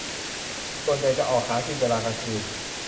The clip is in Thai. ส่วนใหญ่จะออกหากินเวลากลางคืน